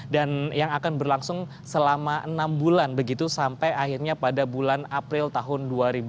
dan yang akan berlangsung selama enam bulan begitu sampai akhirnya pada bulan